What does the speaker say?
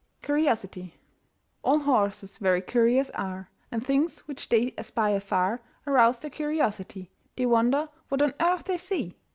CURIOSITY. All horses very curious are And things which they espy afar Arouse their curiosity: They wonder what on earth they see.